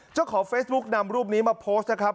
เจ้าของเฟซบุ๊กนำรูปนี้มาโพสต์นะครับ